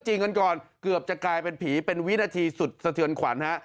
จริงกันก่อนเกือบจะกลายเป็นผีเป็นวินาทีสุดสะเทือนขวัญฮะ